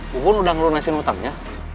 bubun udah merunasin utangnya